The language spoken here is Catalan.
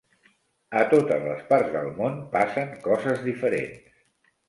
A totes les parts del món passen coses diferents.